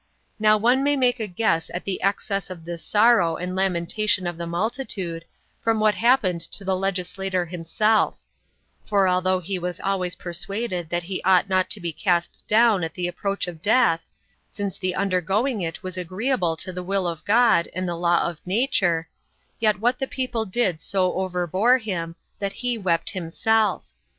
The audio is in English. Now one may make a guess at the excess of this sorrow and lamentation of the multitude, from what happened to the legislator himself; for although he was always persuaded that he ought not to be cast down at the approach of death, since the undergoing it was agreeable to the will of God and the law of nature, yet what the people did so overbore him, that he wept himself.